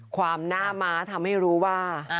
ความหน้าม้าทำให้รู้ว่า